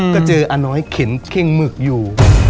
ก็เจออาน้อยเข็นเข้งหมึกอยู่